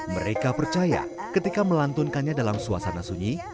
mereka percaya ketika melantunkannya dalam suasana sunyi